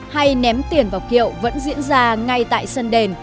hay ném tiền vào kiệu vẫn diễn ra ngay tại sân đền